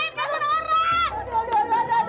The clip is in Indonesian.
aduh aduh aduh aduh